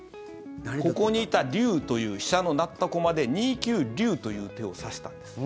ここにいた龍という飛車の成った駒で２九龍という手を指したんです。